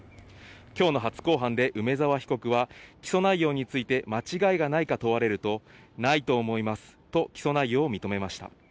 今日の初公判で梅沢被告は起訴内容について間違いがないか問われるとないと思いますと起訴内容を認めました。